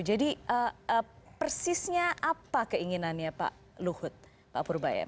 jadi persisnya apa keinginannya pak luhut pak purba yudisa